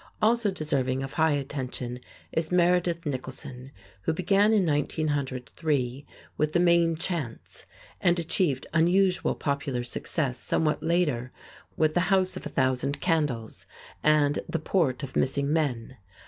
Also deserving of high attention is Meredith Nicholson, who began in 1903 with "The Main Chance," and achieved unusual popular success somewhat later with "The House of a Thousand Candles" and "The Port of Missing Men."